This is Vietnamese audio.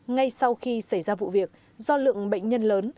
ngay sau khi xảy ra vụ việc do lượng bệnh nhân lớn